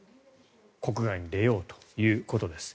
国外に出ようということです。